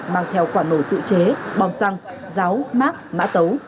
mang theo quả nổ tự chế bom xăng ráo mát mã tấu